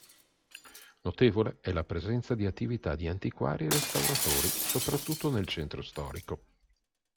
Notevole è la presenza di attività di antiquari e restauratori soprattutto nel centro storico.